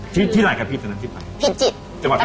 ชีวิตที่หลายกันพี่จากนั้นชีวิตไหน